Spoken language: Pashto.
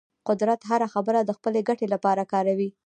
قدرت هره خبره د خپلې ګټې لپاره کاروي.